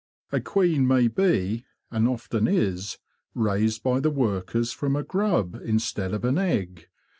A queen may be, and often is, raised by the workers from a grub instead of an egg.